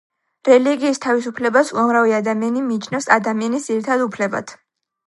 რელიგიის თავისუფლებას უამრავი ადამიანი მიიჩნევს ადამიანის ძირითად უფლებად.